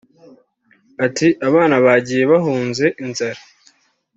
Ati “Abana bagiye bahunze inzara